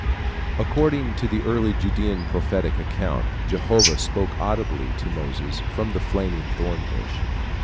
According to the early Judean prophetic account Jehovah spoke audibly to Moses from the flaming thorn bush.